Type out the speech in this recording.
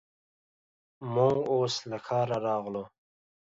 موږ اوس له ښاره راغلو.